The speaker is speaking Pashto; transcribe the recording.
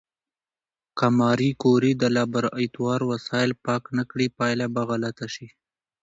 که ماري کوري د لابراتوار وسایل پاک نه کړي، پایله به غلطه شي.